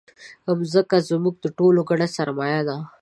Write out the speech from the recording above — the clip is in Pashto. مځکه زموږ ټولو ګډه سرمایه ده.